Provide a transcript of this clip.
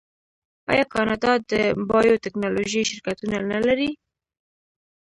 آیا کاناډا د بایو ټیکنالوژۍ شرکتونه نلري؟